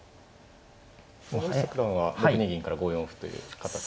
森下九段は６二銀から５四歩という形で。